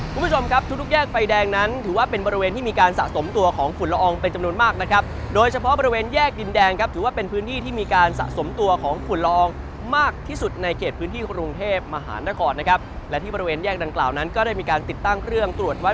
คุณผู้ชมครับทุกทุกแยกไฟแดงนั้นถือว่าเป็นบริเวณที่มีการสะสมตัวของฝุ่นละอองเป็นจำนวนมากนะครับโดยเฉพาะบริเวณแยกดินแดงครับถือว่าเป็นพื้นที่ที่มีการสะสมตัวของฝุ่นละอองมากที่สุดในเขตพื้นที่กรุงเทพมหานครนะครับและที่บริเวณแยกดังกล่าวนั้นก็ได้มีการติดตั้งเครื่องตรวจวัด